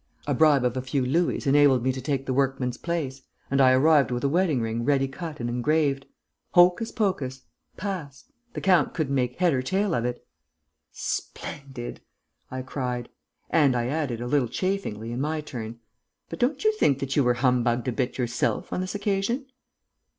A bribe of a few louis enabled me to take the workman's place; and I arrived with a wedding ring ready cut and engraved. Hocus pocus! Pass!... The count couldn't make head or tail of it." "Splendid!" I cried. And I added, a little chaffingly, in my turn, "But don't you think that you were humbugged a bit yourself, on this occasion?"